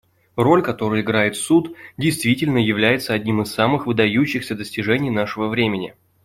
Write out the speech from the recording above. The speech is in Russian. Роль, которую играет Суд, действительно является одним из самых выдающихся достижений нашего времени.